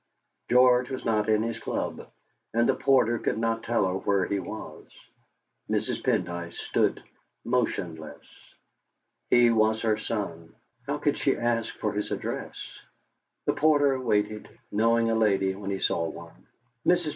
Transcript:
George was not in his club, and the porter could not tell her where he was. Mrs. Pendyce stood motionless. He was her son; how could she ask for his address? The porter waited, knowing a lady when he saw one. Mrs.